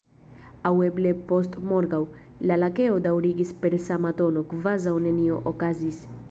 "Aŭ eble postmorgaŭ," la Lakeo daŭrigis per sama tono, kvazaŭ nenio okazis.